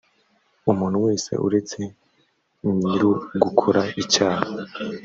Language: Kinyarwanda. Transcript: umuntu wese uretse nyir ugukora icyaha